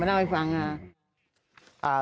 มันเอาให้ฟังนะ